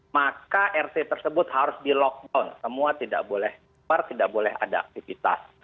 maka rt tersebut harus di lockdown semua tidak boleh keluar tidak boleh ada aktivitas